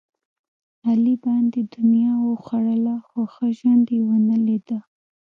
علي باندې دنیا وخوړله، خو ښه ژوند یې ونه لیدا.